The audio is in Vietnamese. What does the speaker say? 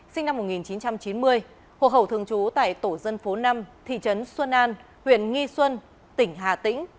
sinh năm một nghìn chín trăm chín mươi hồ hậu thường trú tại tổ dân phố năm thị trấn xuân an huyện nghi xuân tỉnh hà tĩnh